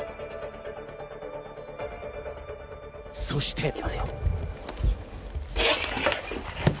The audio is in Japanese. そして。